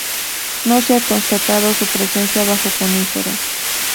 No se ha constatado su presencia bajo coníferas.